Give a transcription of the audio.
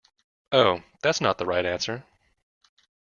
Oh, that's not the right answer.